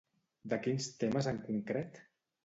De quins temes en concret?